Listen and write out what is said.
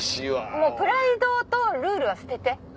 もうプライドとルールは捨てて。